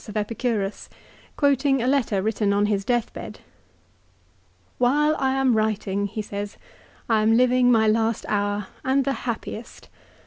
348 LIFE OF CICERO. of Epicurus, quoting a letter written on his death bed. " While I am writing," he says, " I am living my last hour, and the happiest.